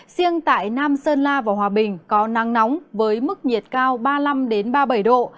riêng tại nam sơn la và hòa bình có nắng nóng với mức nhiệt cao ba mươi năm ba mươi bảy độ